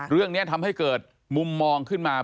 เรื่องนี้ทำให้เกิดมุมมองขึ้นมา